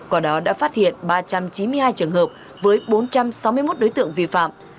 quả đó đã phát hiện ba trăm chín mươi hai trường hợp với bốn trăm sáu mươi một đối tượng vi phạm